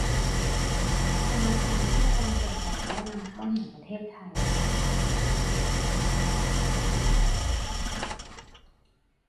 ธนาคารเพื่อการส่งออกและนำเข้าแห่งประเทศไทย